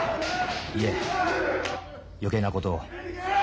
いえ余計なことを。